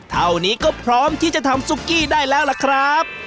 เท่านี้ก็พร้อมที่จะทำซุกกี้ได้แล้วล่ะครับ